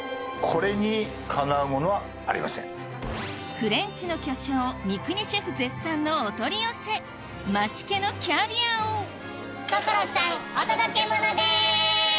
フレンチの巨匠三國シェフ絶賛のお取り寄せ増毛のキャビアを所さんお届けモノです！